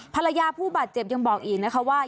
ผู้บาดเจ็บยังบอกอีกนะคะว่า